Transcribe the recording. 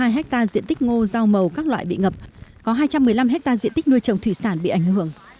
hai mươi hai hectare diện tích ngô rau màu các loại bị ngập có hai trăm một mươi năm hectare diện tích nuôi trồng thủy sản bị ảnh hưởng